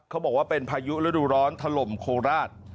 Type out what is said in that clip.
เขาบอกว่าเป็นพายุฤดูร้อนถล่มโคราช